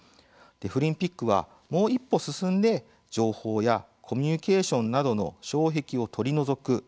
デフリンピックはもう一歩進んで情報やコミュニケーションなどの障壁を取り除く。